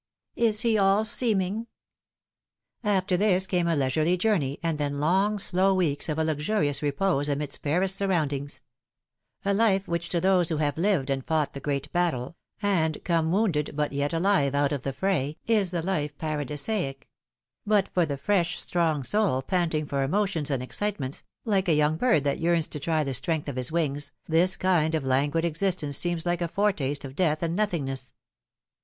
Is he all seeming ?" After this came a leisurely journey, and then long, slow weeks of a luxurious repose amidst fairest surroundings a life which to those who have lived and fought the great battle, and come wounded but yet alive out of the fray, is the life para disaic ; but for the fresh, strong soul panting for emotions and excitements, like a young bird that yearns to try the strength of his wings, this kind of languid existence seems like a foretaste of death and nothingness.